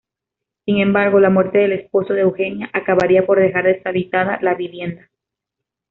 Sin embargo, la muerte del esposo de Eugenia acabaría por dejar deshabitada la vivienda.